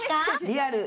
リアル。